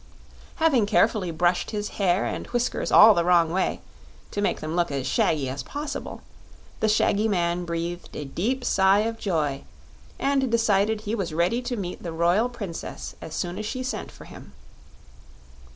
Having carefully brushed his hair and whiskers all the wrong way to make them look as shaggy as possible, the shaggy man breathed a deep sigh of joy and decided he was ready to meet the Royal Princess as soon as she sent for him.